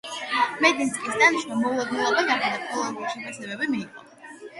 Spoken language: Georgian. მედინსკის დანიშვნა მოულოდნელობა გახდა და პოლარული შეფასებები მიიღო.